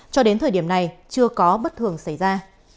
cho đến thời điểm này chưa có bất thường xảy ra